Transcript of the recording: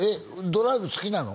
ドライブ好きなの？